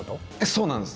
そうなんです。